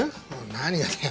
何がだよ。